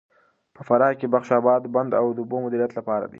په فراه کې د بخش اباد بند د اوبو د مدیریت لپاره دی.